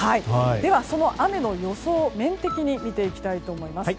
その雨の予想を面的に見ていきたいと思います。